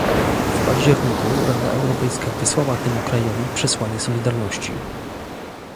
W październiku Rada Europejska wysłała temu krajowi przesłanie solidarności